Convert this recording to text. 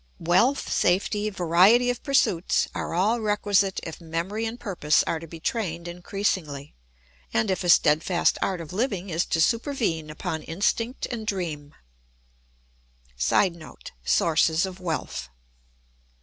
Wealth, safety, variety of pursuits, are all requisite if memory and purpose are to be trained increasingly, and if a steadfast art of living is to supervene upon instinct and dream. [Sidenote: Sources of wealth.